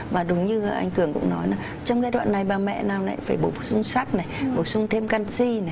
và đúng như anh cường cũng nói trong giai đoạn này bà mẹ phải bổ sung sắt bổ sung thêm canxi